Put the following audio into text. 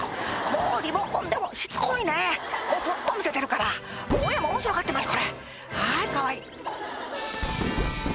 もうリモコンでもしつこいねずっと見せてるから親も面白がってます